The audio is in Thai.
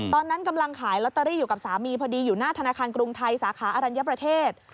ตอนนั้นกำลังขายลอตเตอรี่อยู่กับสามีพอดีอยู่หน้าธนาคารกรุงไทยสาขาอรัญญประเทศ